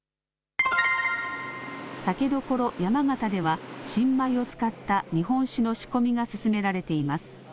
酒どころ、山形では、新米を使った日本酒の仕込みが進められています。